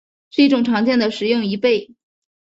是一种常见的食用贻贝。